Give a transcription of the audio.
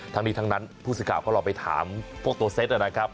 ทั้งนี้ทั้งนั้นผู้สื่อข่าวก็ลองไปถามพวกตัวเซ็ตนะครับ